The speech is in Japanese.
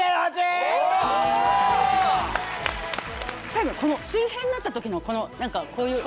最後の水平になった時のこういう。